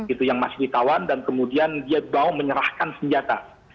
itu yang masih ditawan dan kemudian dia bawa menyerahkan senjata